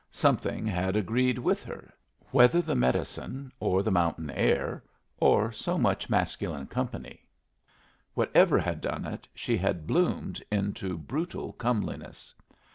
Something had agreed with her whether the medicine, or the mountain air, or so much masculine company; whatever had done it, she had bloomed into brutal comeliness.